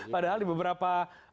padahal di beberapa